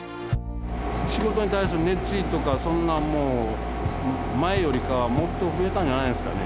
仕事に対する熱意とかそんなんもう前よりかはもっと増えたんじゃないですかね。